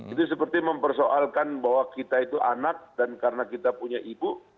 itu seperti mempersoalkan bahwa kita itu anak dan karena kita punya ibu